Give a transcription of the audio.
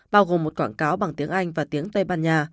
bao gồm một quảng cáo bằng tiếng anh và tiếng tây ban nha